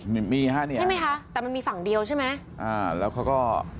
นี่มีฮะเนี่ยใช่ไหมคะแต่มันมีฝั่งเดียวใช่ไหมอ่าแล้วเขาก็